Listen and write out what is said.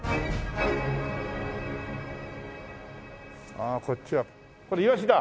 ああこっちはこれイワシだ！